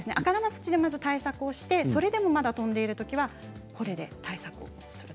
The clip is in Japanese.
赤玉土で対策をしてそれでもまだ飛んでいるときは木酢液で対策をする。